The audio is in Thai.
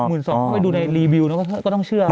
เข้าไปดูในรีวิวก็ต้องเชื่อ